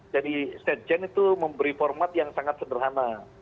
jadi setjen itu memberi format yang sangat sederhana